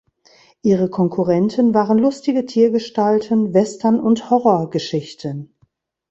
Ihre Konkurrenten waren lustige Tiergestalten, Western und Horrorgeschichten.